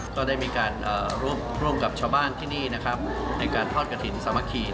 ก็ได้มีการร่วมกับชาวบ้านที่นี่นะครับในการทอดกระถิ่นสามัคคี